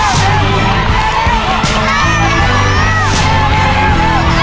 สวัสดีครับ